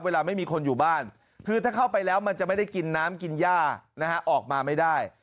ไม่มีคนอยู่บ้านคือถ้าเข้าไปแล้วมันจะไม่ได้กินน้ำกินย่านะฮะออกมาไม่ได้